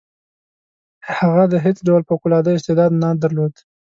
هغه د هیڅ ډول فوق العاده استعداد نه درلود.